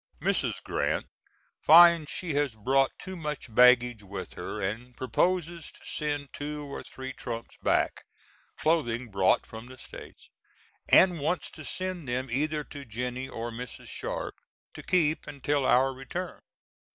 Mrs. Grant finds she has brought too much baggage with her and proposes to send two or three trunks back, clothing brought from the States, and wants to send them either to Jennie or Mrs. Sharp to keep until our return.